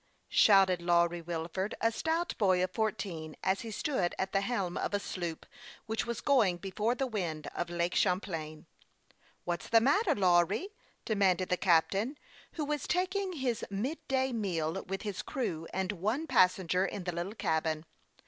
" shouted Lawry Wilford, a stout boy of fourteen, as he stood at the helm of a sloop, which was going before the wind up Lake Champlain. " What's the matter, Lawry ?" demanded the captain, who was taking his midday meal with his crew and one passenger in the little cabin.